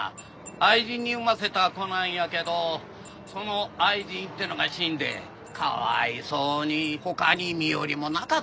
愛人に産ませた子なんやけどその愛人ってのが死んでかわいそうに他に身寄りもなかったんやろな。